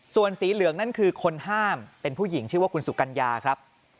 ส่วนสีเหลืองนั่นคือคนห้ามเป็นผู้หญิงชื่อว่าคุณสุกัญญาครับ